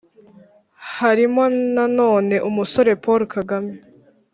harimo nanone umusore paul kagame